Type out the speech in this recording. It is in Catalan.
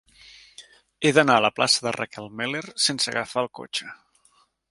He d'anar a la plaça de Raquel Meller sense agafar el cotxe.